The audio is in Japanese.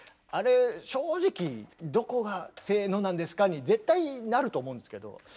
あれ正直「どこが『せの』なんですか？」に絶対なると思うんですけど。